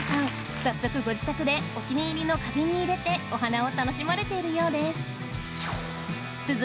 早速ご自宅でお気に入りの花瓶に入れてお花を楽しまれているようです